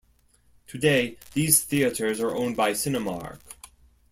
Today these theatres are owned by Cinemark.